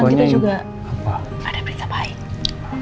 di pulang kita juga ada berita baik